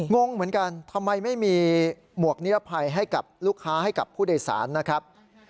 งงเหมือนกันทำไมไม่มีหมวกนิรภัยให้กับลูกค้าให้กับผู้โดยสารนะครับ